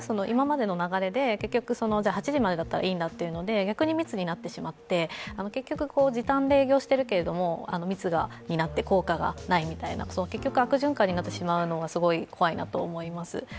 今までの流れで、８時までならいいんだということで逆に密になってしまって時短で営業しているけれども、密になって効果がないみたいな、結局、悪循環になってしまうのが怖いなと思います。